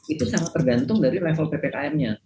itu sangat tergantung dari level ppkm nya